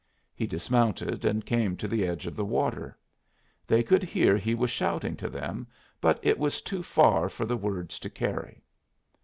He dismounted and came to the edge of the water. They could hear he was shouting to them, but it was too far for the words to carry.